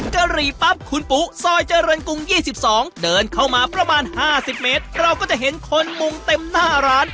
กะหรี่ปั๊บคุณปุ๊ซอยเจริญกรุง๒๒เดินเข้ามาประมาณ๕๐เมตรเราก็จะเห็นคนมุงเต็มหน้าร้าน